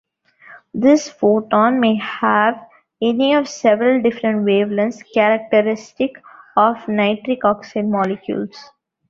This photon may have any of several different wavelengths characteristic of nitric oxide molecules.